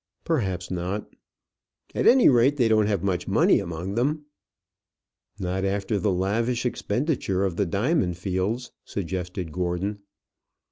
"Perhaps not." "At any rate they don't have much money among them." "Not after the lavish expenditure of the diamond fields," suggested Gordon.